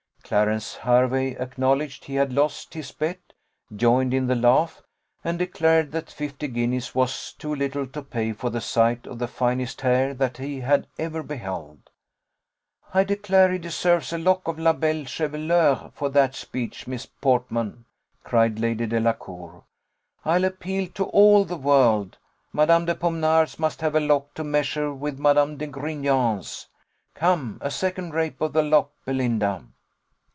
Clarence Hervey acknowledged he had lost his bet, joined in the laugh, and declared that fifty guineas was too little to pay for the sight of the finest hair that he had ever beheld. "I declare he deserves a lock of la belle chevelure for that speech, Miss Portman," cried Lady Delacour; "I'll appeal to all the world Mad. de Pomenars must have a lock to measure with Mad. de Grignan's? Come, a second rape of the lock, Belinda."